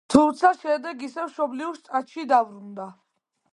თუმცა შემდეგ ისევ მშობლიურ შტატში დაბრუნდა.